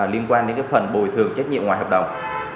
liên quan đến cái phần bồi thường trách nhiệm ngoài hợp đồng